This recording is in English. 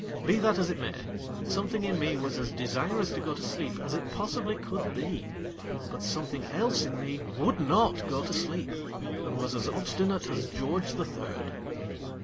Be that as it may, something in me was as de sirous to go to sleep as it possibly could be, but something else in me would not go to sleep, and was as obstinate as George the Third.